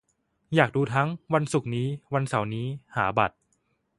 อยากดูทั้ง วันศุกร์นี้ วันเสาร์นี้ หาบัตร